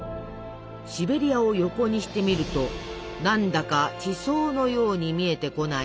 シベリアを横にしてみると何だか地層のように見えてこない？